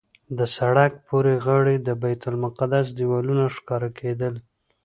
د سړک پورې غاړې د بیت المقدس دیوالونه ښکاره کېدل.